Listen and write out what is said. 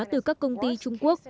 từ các công ty trung quốc